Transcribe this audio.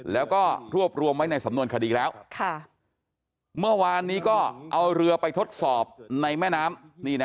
แล้วก็รวบรวมไว้ในสำนวนคดีแล้วเมื่อวานนี้ก็เอาเรือไปทดสอบในแม่น้ำ